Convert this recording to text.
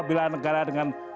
bila negara dengan